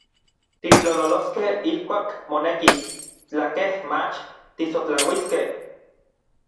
Titlololoskej ijkuak monekis, tlakej mach tisotlauiskej.